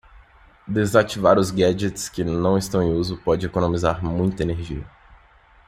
Desativar os gadgets que não estão em uso pode economizar muita energia.